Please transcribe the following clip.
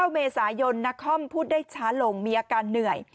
๙เมษายนนักคอมพูดได้ช้าลงมีอาการเหนื่อย